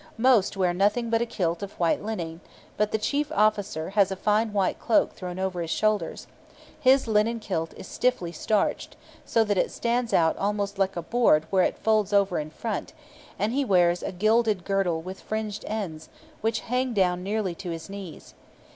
Most wear nothing but a kilt of white linen; but the chief officer has a fine white cloak thrown over his shoulders; his linen kilt is stiffly starched, so that it stands out almost like a board where it folds over in front, and he wears a gilded girdle with fringed ends which hang down nearly to his knees.